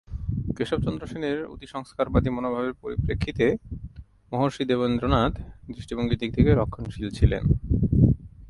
কেশবচন্দ্র সেনের অতি-সংস্কারবাদী মনোভাবের পরিপ্রেক্ষিতে মহর্ষি দেবেন্দ্রনাথ দৃষ্টিভঙ্গির দিক থেকে রক্ষণশীল ছিলেন।